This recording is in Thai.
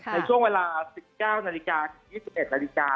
ในช่วงเวลา๑๙นาฬิกา๒๑นาฬิกา